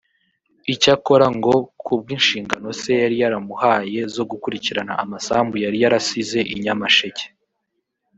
Icyakora ngo ku bw’inshingano se yari yaramuhaye zo gukurikirana amasambu yari yarasize i Nyamasheke